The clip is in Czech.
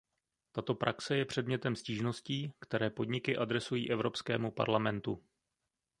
Tato praxe je předmětem stížností, které podniky adresují Evropskému parlamentu.